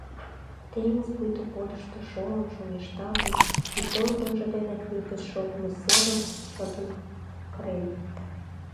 Теҥыз пуйто подышто шолын, шоҥешталтын, вӱдтолкынжо дене крепость шогымо серым шыдын кырен.